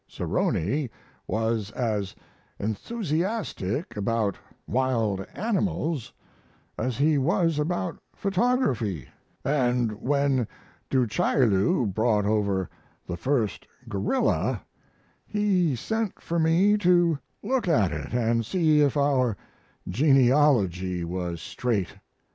"Sarony was as enthusiastic about wild animals as he was about photography, and when Du Chaillu brought over the first gorilla he sent for me to look at it and see if our genealogy was straight.